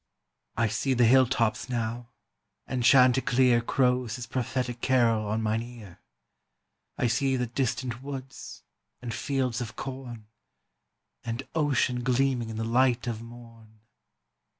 "I see the hill tops now, and chanticleer Crows his prophetic carol on mine ear; I see the distant woods and fields of corn, And ocean gleaming in the light of morn."